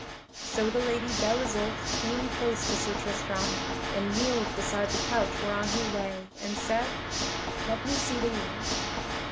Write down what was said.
So the Lady Belle Isoult came close to Sir Tristram and kneeled beside the couch whereon he lay and said, "Let me see the wound."